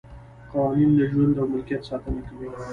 قوانین د ژوند او ملکیت ساتنه کوي.